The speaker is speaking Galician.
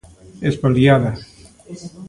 ¡Espoliada!